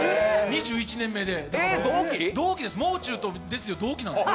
２１年目で同期です。